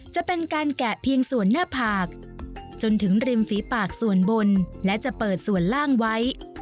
จะเป็นการแกะเพียงส่วนหน้าผากจนถึงริมฝีปากส่วนบนและจะเปิดส่วนล่างไว้